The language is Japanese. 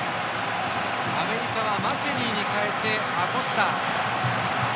アメリカはマケニーに代えてアコスタ。